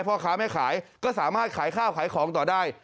พ่อค้าแม่ขายก็สามารถขายข้าวขายของต่อได้